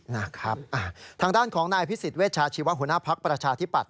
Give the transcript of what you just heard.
นะครับทางด้านของนายพิสิทธิเวชาชีวะหัวหน้าภักดิ์ประชาธิปัตย